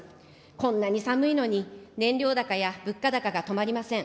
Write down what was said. こんなに寒いのに、燃料高や物価高が止まりません。